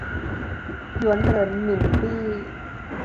หยวนเหรินหมินปี้